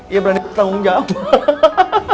iya berani bertanggung jawab